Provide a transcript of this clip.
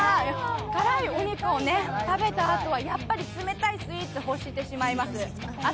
辛いお肉を食べたあとは、やっぱり冷たいスイーツを欲してしまいます。